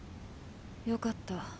よかった。